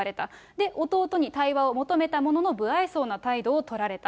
で、弟に対話を求めたものの、不愛想な態度を取られた。